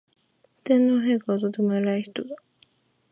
天皇陛下はとても偉い人だ